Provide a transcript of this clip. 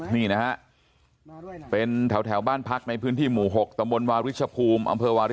นี่นะฮะเป็นแถวบ้านพักในพื้นที่หมู่๖ตววาริชภูมิ